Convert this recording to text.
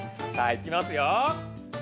さあいきますよ！